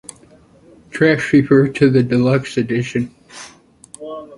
Tracks refer to the deluxe edition.